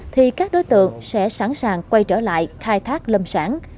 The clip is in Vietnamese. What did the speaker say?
thì các đối tượng sẽ sẵn sàng quay trở lại khai thác lâm sản